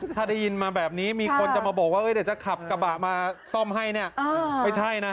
ถ้าได้ยินมาแบบนี้มีคนจะมาบอกว่าเดี๋ยวจะขับกระบะมาซ่อมให้เนี่ยไม่ใช่นะ